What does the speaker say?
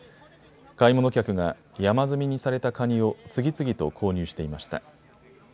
買い物客が山積みにされたカニを次々と購入していました。